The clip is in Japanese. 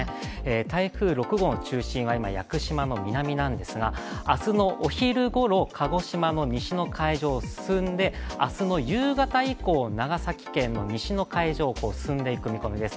台風６号の中心は今、屋久島の南なんですが明日のお昼ごろ鹿児島の西の海上を進んで明日の夕方以降、長崎県の西の海上を進んでいく見込みです。